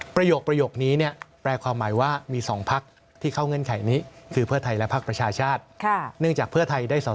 ประโยคนี้เนี่ยแปลความหมายว่ามี๒ภาคที่เข้าเงื่อนไขนี้คือเพื่อไทยและภาคประชาชาติ